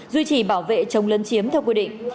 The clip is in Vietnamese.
duy trì bảo vệ chống lân chiếm theo quy định